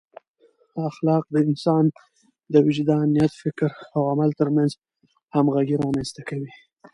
اخلاق د انسان د وجدان، نیت، فکر او عمل ترمنځ همغږي رامنځته کوي.